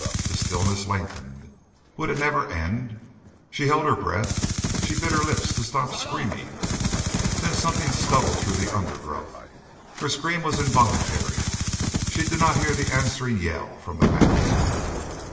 The stillness lengthened would it never end? She held her breath; she bit her lips to stop screaming. Then something scuttled through the undergrowth. Her scream was involuntary. She did not hear the answering yell from the mound.